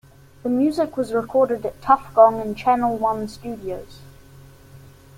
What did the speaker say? This music was recorded at Tuff Gong and Channel One studios.